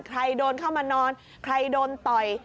ใครโดนเข้ามานอนใครโดนต่อย